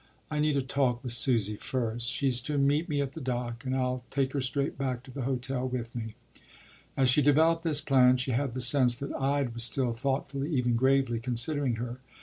I need a talk with Susy first. She’s to meet me at the dock, and I’ll take her straight back to the hotel with me.” As she developed this plan, she had the sense that Ide was still thoughtfully, even gravely, considering her.